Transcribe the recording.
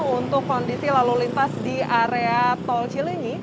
untuk kondisi lalu lintas di area tol cilenyi